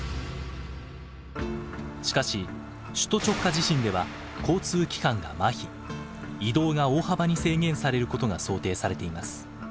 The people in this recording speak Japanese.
しかし首都直下地震では移動が大幅に制限されることが想定されています。